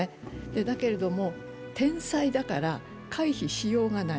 だけれども、天災だから回避しようがない。